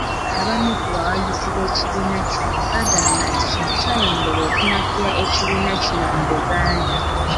Abamu ku bawagizi b'ekibiina kino bagamba nti kino kyayongera okunafuya ekibiina kino mu Buganda.